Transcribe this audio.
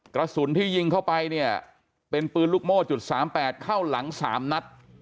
กระสุนที่ยิงเข้าไปเนี่ยเป็นปืนลูกโม่จุด๓๘เข้าหลัง๓นัด